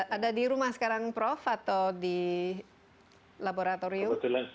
ada di rumah sekarang prof atau di laboratorium